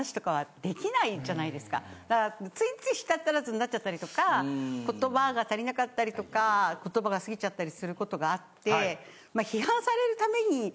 だからついつい舌足らずになっちゃったりとか言葉が足りなかったりとか言葉が過ぎちゃったりすることがあってまあ。